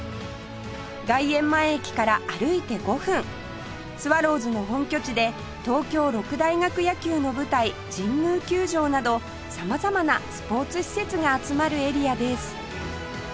外苑前駅から歩いて５分スワローズの本拠地で東京六大学野球の舞台神宮球場など様々なスポーツ施設が集まるエリアです